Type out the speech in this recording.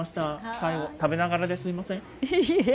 最後、食べながらですみません。